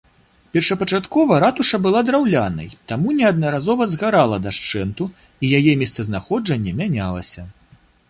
Першапачаткова ратуша была драўлянай, таму неаднаразова згарала дашчэнту, і яе месцазнаходжанне мянялася.